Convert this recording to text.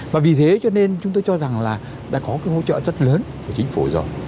và vì thế cho nên chúng tôi cho rằng là đã có cái hỗ trợ rất lớn của chính phủ rồi